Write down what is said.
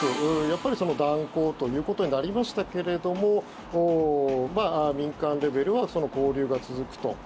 やっぱり断交ということになりましたけれども民間レベルは交流が続くと。